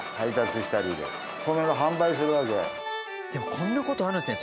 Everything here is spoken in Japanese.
こんな事あるんですね。